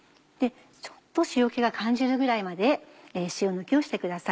ちょっと塩気が感じるぐらいまで塩抜きをしてください。